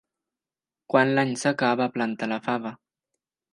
Quan l'any s'acaba planta la fava.